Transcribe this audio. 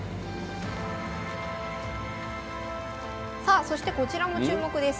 さあそしてこちらも注目です。